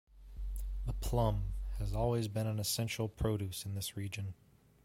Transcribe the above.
The plum has always been an essential produce in this region.